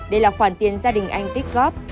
đây là khoản tiền gia đình anh tích góp